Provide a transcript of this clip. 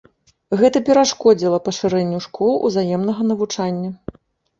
Гэта перашкодзіла пашырэнню школ узаемнага навучання.